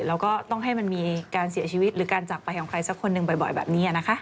แล้วก็ต้องให้มันมีการเสียชีวิตหรือการจากไปของใครสักคนหนึ่งบ่อยแบบนี้นะคะ